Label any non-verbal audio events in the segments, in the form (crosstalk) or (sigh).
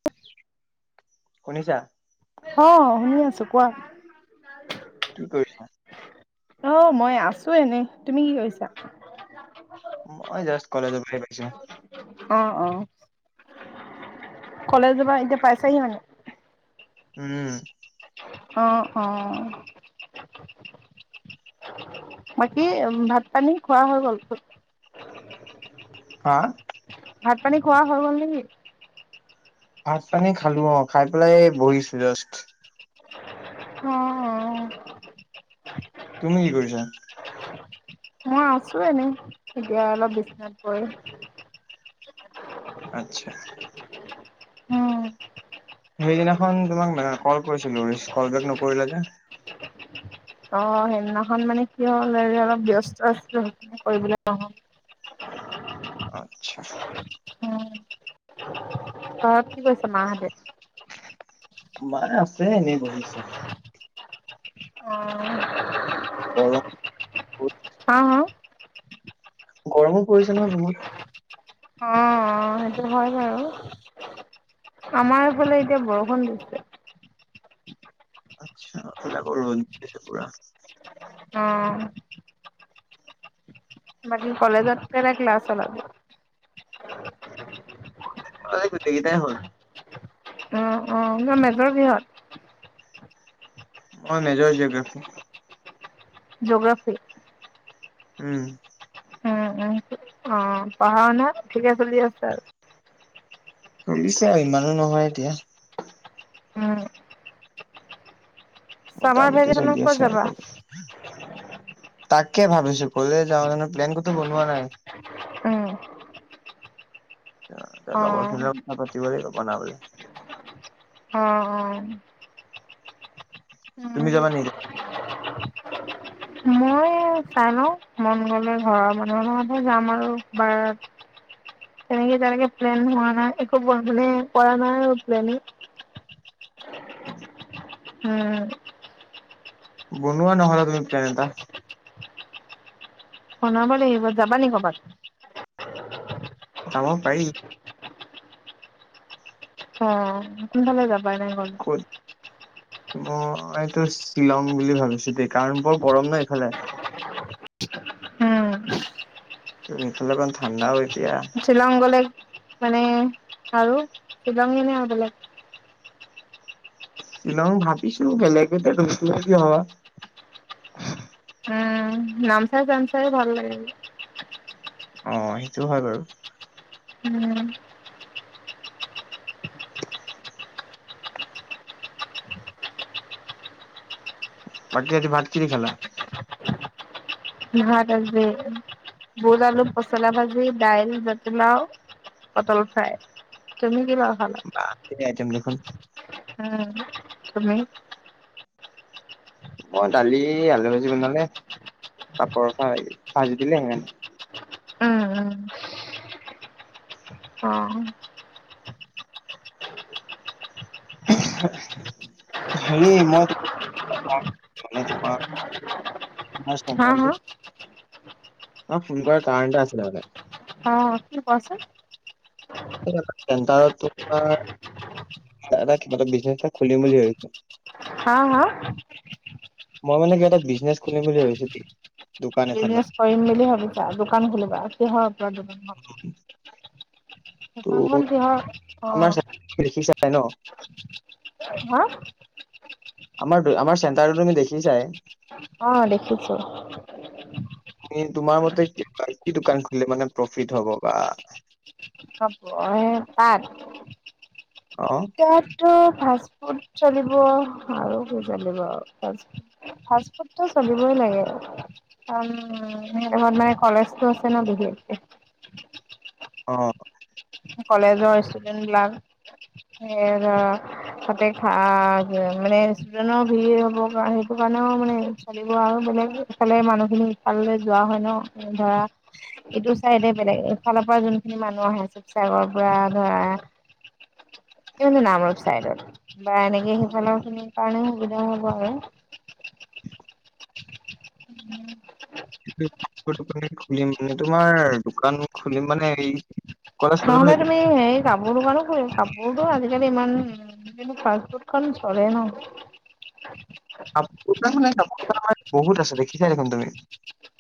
(unintelligible) শুনিছা? অ শুনি আছো কোৱা। কি কৰিছা? অহ মই আছো এনেই তুমি কি কৰিছা? মই জাষ্ট কলেজৰ পৰা আহি পাইছো। কলেজ যাবা এতিয়া পাইছাহি মানে? উম। অহ অহ আহ বাকী ভাত পানী খোৱা হৈ গল? হা? ভাত পানী খোৱা হৈ গ'ল নেকি? ভাত পানী খালো অ, খাই পেলাই বহিছো জাষ্ট। হ (inaudible) তুমি কি কৰিছা? মই আছো এনেই এতিয়া অলপ বিচনাত পৰি। আচ্ছা। উম। সেইদিনাখন তোমাক ম কল কৰিছিলো তুমি কল বেক নকৰিলা যে? অ সেইদিনাখন মানে কি হল হে অলপ ব্যস্ত আ কৰিবলে নহল। আচ্ছা। অ। কি কৰিছে মাঁহেতে? মাই আছে এনেই বহি আছে। অ। গৰম বহুত হা হা গৰমো পৰিছে নহয় বহুত। সেটো হয় বাৰু, আমাৰফালে এতিয়া বৰষুণ দিছে। আচ্ছা, এইফালে আকৌ ৰ'দ দিছে পুৰা। অ'। বাকি কলেজত কেইটা ক্লাছ হ'ল আজি? এ গোটেইকেইটাই হ'ল । অ' অ' মেজৰ কিহত? অ' মেজৰ জিঅ'গ্ৰাফি । জোগ্ৰাফি? উম। উম উম। অ' পঢ়া-শুনা ঠিকে চলি আছে আৰু? চলিছে আৰু। ইমানো নহয় এতিয়া উম চামাৰ মোটামুটি ভেকেচনত চলি ক'ত আছে আৰু যাবা ক'বলে তাকে ভাবিছো, ক'লে যাওঁ জানো! প্লেন ক'তো বনোৱা নাই উম । অ লগৰখিনিৰ লগত কথা পাতিব লাগিব। বনাব অ' অ'। তুমি উম যাবা নেকি ক'ৰবাত? মই চাই লওঁ, মন গ'লে ঘৰৰ মানুহৰ লগতহে যাম আৰু। বাৰ তেনেকে-তেনেকে প্লেন হোৱা নাই। একো মানে কৰা নাই আৰু প্লেনিঙ। (unintelligible) উম। বনোৱা নহ'লে তুমি প্লেন এটা। বনাব লাগিব, যাবা নি ক'ৰবাত? যাব পাৰি। অ', কোন ফালে যাব বানাই হ'ল মইটো শ্বিলং বুলি ভাবিছোঁ দেই। কাৰণ বৰ গৰম ন এইফালে । উম ত' এইফালে অকন ঠাণ্ডা হৈ শ্বিলং গ'লে, মানে আৰু শ্বিলং নে আৰু বেলেগ? শ্বিলং ভাবিছো, গেলেকেতে (unintelligible) উম নামচাই-চামচাই ভাল লাগে। অ' সেইটো হয় বাৰু। উম। বাকি আজি ভাত কি দি খালা? ভাত আজি, বুজআলু পচলাভাজি, দাইল, জাতিলাও, পটল ফ্ৰাই। তুমি কি লা বাহ ঢেৰ আইটেম দেখোন। (unintelligible) উম। তুমি? মই দালি, আলু ভাজি বনালে। পাপৰ ভাজি দিলে সিমানে উম উম অ হেৰি মই তোমাৰ (unintelligible) ফোন হা হা কৰাৰ কাৰণ এটা আছিলে মানে! অ কি কোৱাচোন? চেণ্টাৰত তোমাৰ কিবা এটা, বিজনেছ এটা খুলিম বুলি ভাবিছো । হা হা? মই মানে কিবা এটা বিজনেছ খুলিম বুলি ভাবিছো দেই। দোকান এখন বিজনেছ মানে কৰিম বুলি ভাবিছা? দোকান খুলিবা? কিহৰ ওপৰত দোকান ত' দোকানখন কিহৰ অ নাই ন (unintelligible) হা আমাৰ দুই আমাৰ চেন্তাৰ তো তুমি দেখি চাই অ দেখিছো তোমাৰ মতে কি দোকান খুলিলে মানে প্ৰফিট হ'ব বা হব সে তাত অ তাত ত ফাষ্ট ফুড চলিব আৰু কি চলিব আৰু ফাচ ফাষ্ট ফুড তো চলিবই লাগে কাৰণ সেইদখত মানে কলেজটো আছে ন বিশেষকে অহ কলেজৰ ষ্টুডেন্ট বিলাক সে ধৰা তাতে খ মানে ষ্টুডেন্টৰ ভিৰ হব কাৰ সেইটো কাৰণেও মানে চলিব আৰু বেলেগ ইফালে মানুহ খিনি ইফাললৈ যোৱা হয় ন ধৰা এইটো চাইদে বেলেগ ইফালৰ পৰা যোনখিনি মানুহ আহে আছে শিৱসাগৰ পৰা ধৰা কিয়নো নামৰূপ চাইডত বা এনেকে সেইফালৰ খিনিৰ কাৰণে সুবিধাও হব আৰু (unintelligible) খুলিম মানে তোমাৰ দোকান খুলিম মানে এই কলেজ পালো ন নহলে এতিয়া। তুমি হেৰি কাপোৰ দোকানো খুলিবি কাপোৰতো আজিকালি ইমান কিন্তু ফাষ্ট ফুডখন চলে ন আপোনাৰ মানে বহুত আছে দেখিছাই দেখোন তুমি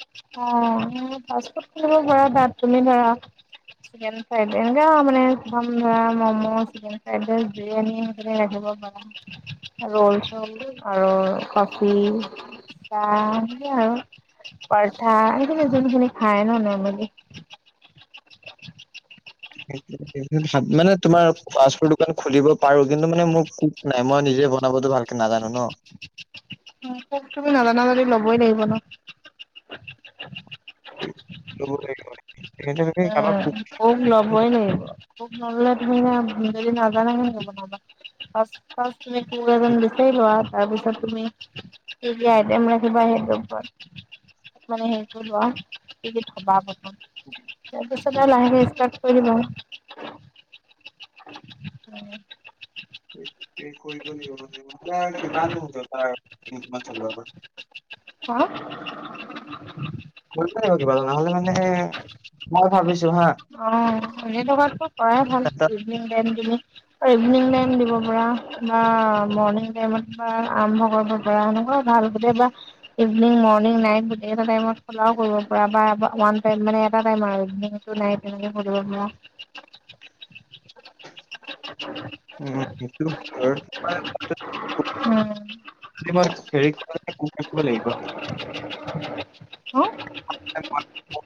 অ ফাৰ্ষ্ট ফুড খুলিব পাৰ তাত তুমি ধৰা চিকেন ফ্ৰাইডে সেনেকে আ বনাই প্ৰথম ধৰা momo, chicken fried rice, biryani সেইখিনি ৰাখিব পাৰা ৰল চল দিম আৰু কফি, চাহ সেনেকেই আৰু পৰঠা এইখিনি যোনখিনি খায় ন নৰ্মেলি মানে তোমাৰ পাছপোৰ দোকান খুলিব পাৰো কিন্তু মানে মোৰ কুক নাই মই নিজে বনাবতো ভালকে নাজানো ন তুমি নাজানা যদি লবই লাগিব ন লব লাগিব নেকি উ কুক ল'বই লাগিব কুক নললে যদি নাজানা হেন নবনাবা পাচ পাচ (unintelligible) তুমি কুক এজন বিচাৰি লোৱা তাৰপিছত তুমি কি কি আইটেম ৰাখিবা সেইটোওপত মানে হেৰি কৰি লোৱা কি কি থবা প্ৰথম (inaudible) তাৰপিছতে লাহেকে ষ্টাৰ্ট কৰি দিবা এই কৰিবই লাগিব মানে ন এতিয়া আৰু হা? কিমান (inaudible) কৰিবই লাগিব কিবা এটা নহলে মানে মই ভাবিছো হা অ এনে থকাতকো কৰাই ভাল এটা ইভিনিং টাইম তুমি অই ইভিনং টাইম দিব পৰা বা মৰ্ণিং টাইমত বা আৰম্ভ কৰিব পৰা সেনেকুৱা ভাল গোটবা ইভিনিং মৰ্ণিং নাইট গোটেইকেইটা টাইমত খেলাও কৰিব পৰা বা ওৱান মানে এটা টাইম নাইয়ে তেনেকে কৰিব পৰা উম সেইটো হয় মই যদি কু উম, যদি মই হেৰি কৰা যায় কুকে কিমান লাগিব (unintelligible) (unintelligible) (inaudible) হ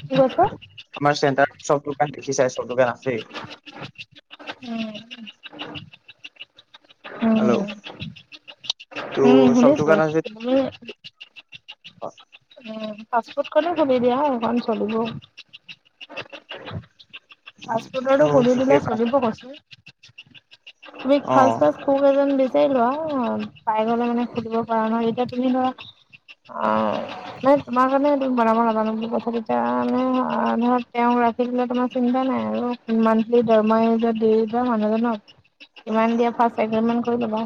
কি কৈছ? চেণ্টাৰত চব দোকান দেখি চাই চব দোকান আছেই। (unintelligible) উম। হেল্ল' ত' (unintelligible) উম উম চব শুনিছো। দোকান আছে (unintelligible) যদি উম। পাছপোৰ্ট খো খুলি দিয়া সখন চলিব। (unintelligible) ফাৰ্ষ্ট ত ফুডটো শিকে পা চলিব কৈছো ফাৰ্ষ্ট ফাৰ্ষ্ট। অ (unintelligible) লোৱা পাই গলে মানে সুধিব পৰা নহয় যেতিয়া তুমি ধৰা অ মানে তোমাৰ কাৰণে সটো বনাব নাজা ন কথা কেই মানে তেওঁ ৰাখি তোমাৰ চিন্তা নাই আৰু মানলি দমহা এহেজাৰ দিয মানুহজনক মানে দিয় চেভেন মান কৰিলা।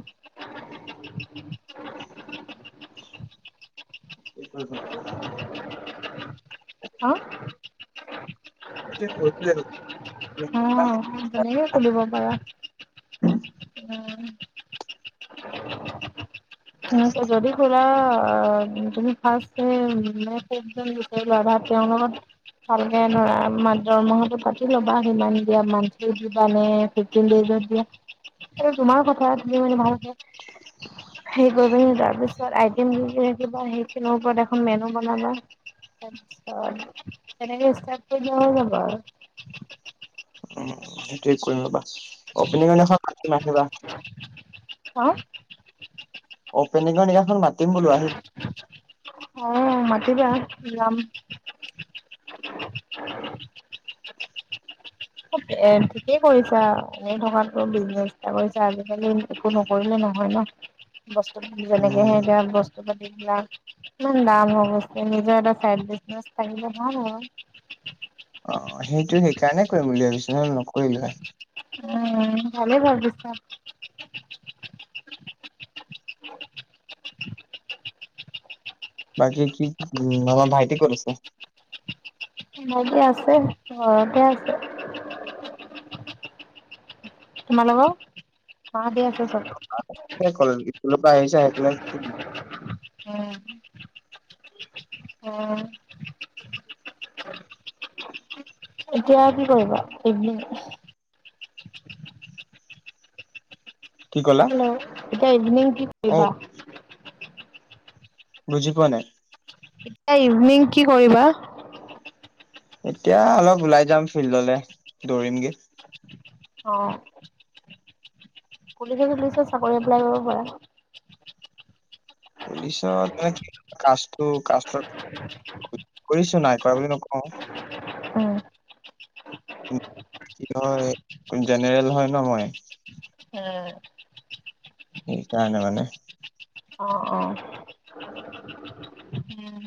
(inaudible) উ (unintelligible) এতিয়া কত যাই। অ তেনেকে খুলিব পাৰা। উম। (unintelligible) যদি খোলা। তুমি ফাৰ্ষ্ট তে (inaudible) বিচাৰি লোৱা, তেওঁৰ লগত ভালকে ধৰা মা দৰমহাটো পাতি ল'বা সিমান দিয়া মানথলী দিবা নে ফিফটিন দেইজত দিয়া, সেইটো তোমাৰ কথা তুমি মানে ভাল সেই কৰিবি তাৰ পিছত তই থ সেইখিন ওপৰত মে বনাবা তাৰপিছতনেকে হৈ যাব আৰু। উ সেইটো কৰিম ৰ, অপেনিংৰ নাখন মাতিম আহিবা। অহ? অ পেনিংৰ দিনা অ মাতিবা। যাম, (unintelligible) এ ঠিকেই কৰিছা, এনেই থকাত কৈ বিজনেছ এটা কৰিছা আজিকালি একো নকৰিলে নহয় ন বস্তু উম যেনেকেহে বস্তু পাতি বিলাক ইমান দাম হৈ গছে নিজৰ এটাই থাকিলে ভাল হয়। অ সেইটো সেইকাৰণে কৰিম বুলি ভাবিছো নহ নকৰিলো হয়ে। ভালে ভাবিছা। (unintelligible) বাকী কি উ আমাৰ ভাইটি কত আছে? ভাইটি আছে ঘৰতে আছে। তোমাল অ দিয় (unintelligible) কলে লোক কোনো বা আহিছে সেইে। (unintelligible) উ উ (unintelligible) এতিয়া কি কৰিবা? এইবুলি কৈছে। (unintelligible) কি ক'লা হেল্ল' এতিয়া ইভনিং কি অ কৰিবা? বুজি পুৱা নাই। এয়া ইভিনিং কি কৰিবা? এতিয়া, অলপ ওলাই যাম ফিল্ডলে, দৌৰিমগে। অ'! পুলিচে চুলিছে চাকৰি এপ্লাই কৰিব পাৰা। পুলিচত মানে, কি কাষ্টটো কাষ্ট (unintelligible) কৰিছ নাই? কৰা বুলি নকওঁ। উম! কি হয়। জেনেৰেল হয় ন' মই। এ' সেই কাৰনে মানে। অ', অ', উম,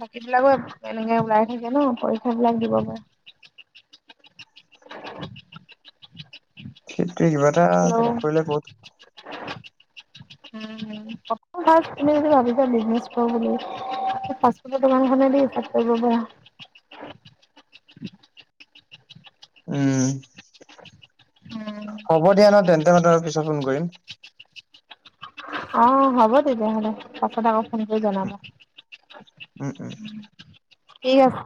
বাকী বিলাকো এনেকে ওলাই থাকে ন' পৰীক্ষা বিলাক দিব পাৰে। (unintelligible) ত' কিবা এটা হেল্ল' উম, নকৰিলে ক'ত উম! (unintelligible) ভাবিছা বিজনেছ কৰোঁ বুলি। ফাৰ্ষ্ট ফুডৰ দোকানখনে দি ষ্টাৰ্ট কৰিব পাৰা। উম! উম, হ'ব দিয়া ন' তেন্তেহ'লে পিছত ফোন কৰিম। অ'! হ'ব তেতিয়াহ'লে। পাছত আকৌ সনেকে উম জনাবা। উম উম ঠিক আছে।